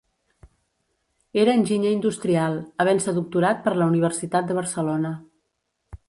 Era enginyer industrial, havent-se doctorat per la Universitat de Barcelona.